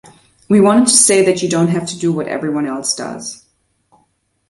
We wanted to say that you don't have to do what everyone else does.